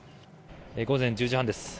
午前１０時半です。